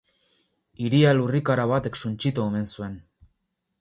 Hiria lurrikara batek suntsitu omen zuen.